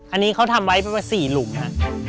อันนี้เขาทำไว้เป็น๔หลุมค่ะ